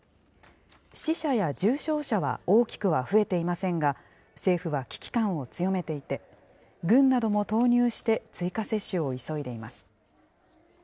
死者や重症者は大きくは増えていませんが、政府は危機感を強めていて、軍なども投入して追加接種を急いでいます。